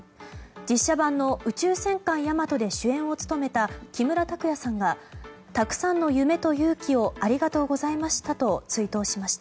実写版の「宇宙戦艦ヤマト」で主演を務めた木村拓哉さんがたくさんの夢と勇気をありがとうございましたと追悼ました。